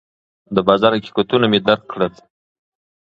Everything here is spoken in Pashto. د بازار حقیقتونه مې درک کړل.